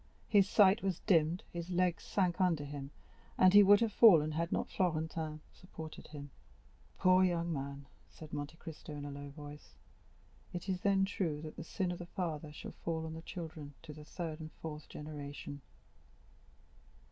His sight was dimmed, his legs sank under him, and he would have fallen had not Florentin supported him. "Poor young man," said Monte Cristo in a low voice; "it is then true that the sin of the father shall fall on the children to the third and fourth generation."